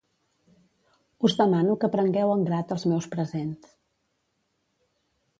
Us demano que prengueu en grat els meus presents.